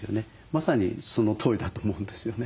まさにそのとおりだと思うんですよね。